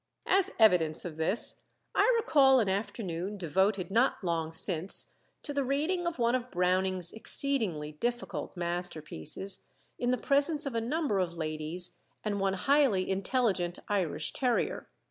As evidence of this I recall an afternoon devoted not long since to the reading of one of Browning's exceedingly difficult masterpieces, in the presence of a number of ladies and one highly intelligent Irish terrier.